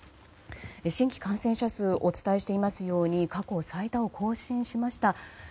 新規感染者数お伝えしてしますように過去最多を更新しました。